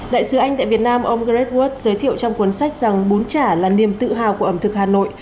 đại sứ anh tại việt nam ông gred wood giới thiệu trong cuốn sách rằng bún chả là niềm tự hào của ẩm thực hà nội